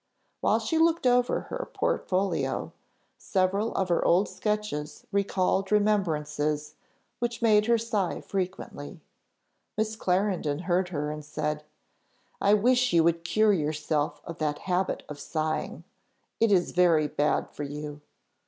While she looked over her portfolio, several of her old sketches recalled remembrances which made her sigh frequently; Miss Clarendon heard her, and said "I wish you would cure yourself of that habit of sighing; it is very bad for you."